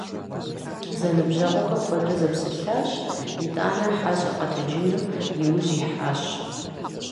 Зэныбжьэгъухэр куэдрэ зэпсэлъащ, итӀанэ хьэщӀэр къэтэджыну и ужь ихьащ.